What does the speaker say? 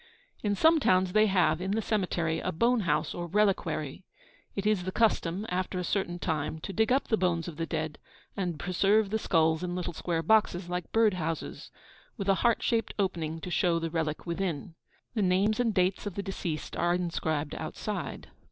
In some towns they have, in the cemetery, a bone house or reliquary. It is the custom, after a certain time, to dig up the bones of the dead, and preserve the skulls in little square boxes like bird houses, with a heart shaped opening, to show the relic within. The names and dates of the deceased are inscribed outside.